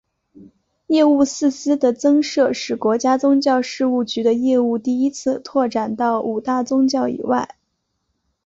业务四司的增设使国家宗教事务局的业务第一次拓展到五大宗教以外。